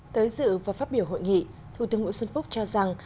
tới dự và phát biểu hội nghị thủ tướng nguyễn xuân phúc cho rằng